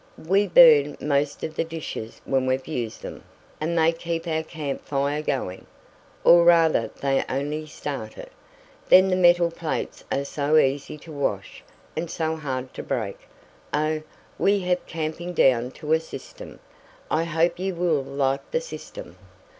We burn most of the dishes when we've used them, and they keep our camp fire going, or rather, they only start it. Then the metal plates are so easy to wash, and so hard to break. Oh, we have camping down to a system! I hope you will like the system."